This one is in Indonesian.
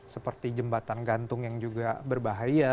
seperti jembatan gantung yang juga berbahaya